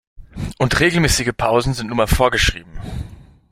Und regelmäßige Pausen sind nun mal vorgeschrieben.